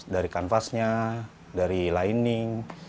dari kanvasnya dari lining